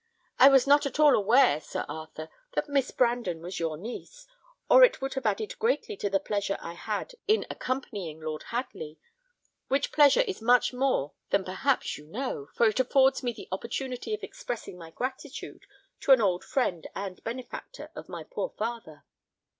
"I was not at all aware, Sir Arthur, that Miss Brandon was your niece, or it would have added greatly to the pleasure I had in accompanying Lord Hadley, which pleasure is more than perhaps you know, for it affords me the opportunity of expressing my gratitude to an old friend and benefactor of my poor father."